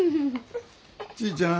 ちぃちゃん